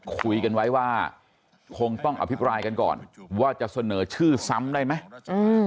คุยกันไว้ว่าคงต้องอภิปรายกันก่อนว่าจะเสนอชื่อซ้ำได้ไหมอืม